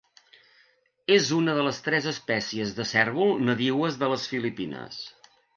És una de les tres espècies de cérvol nadiues de les Filipines.